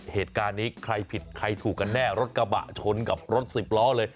เหตุการณ์นี้ใครผิดใครถูกกันแน่รถกระบะชนกับรถสิบล้อเลย